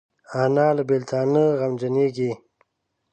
انا له بیلتانه غمجنېږي